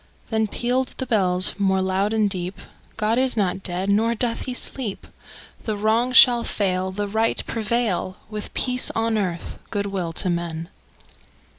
Then pealed the bells more loud and deep: "God is not dead; nor doth he sleep! The Wrong shall fail, The Right prevail, With peace on earth, good will to men!"